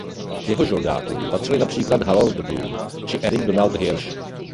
K jeho žákům patřili například Harold Bloom či Eric Donald Hirsch.